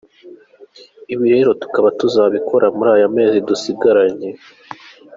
Ibi rero tukaba tuzabikora muri ano mezi dusigaranye.